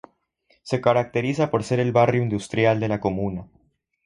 Se caracteriza por ser el barrio industrial de la comuna.